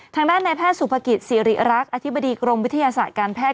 ทางด้านในแพทย์สุภกิจสิริรักษ์อธิบดีกรมวิทยาศาสตร์การแพทย